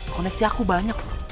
koneksi aku banyak roro